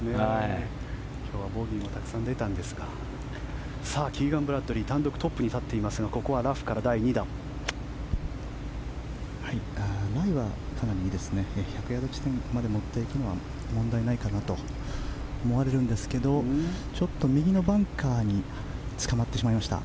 今日はボギーもたくさん出たんですがキーガン・ブラッドリー単独トップに立っていますがライはかなりいいですね１００ヤード地点まで持っていくのは問題ないかなと思われるんですけどちょっと右のバンカーにつかまってしまいました。